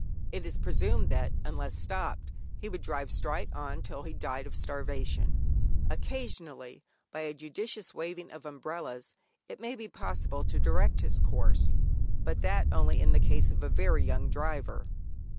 It is presumed that, unless stopped, he would drive straight on till he died of starvation. Occasionally, by a judicious waving of umbrellas it may be possible to direct his course, but that only in the case of a very young driver.